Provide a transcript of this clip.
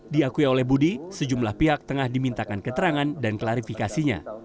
diakui oleh budi sejumlah pihak tengah dimintakan keterangan dan klarifikasinya